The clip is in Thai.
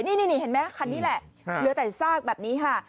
นี่เห็นไหมคันนี้แหละเหลือแต่ซากแบบนี้ค่ะ